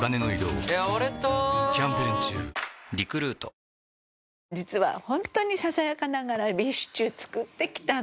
無糖実はホントにささやかながらビーフシチュー作ってきたの。